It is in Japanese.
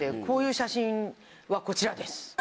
こういう写真はこちらです。